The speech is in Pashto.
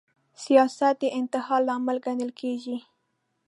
سیاست د انتحار لامل ګڼل کیږي